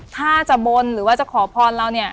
ถ้าจะบนหรือว่าจะขอพรเราเนี่ย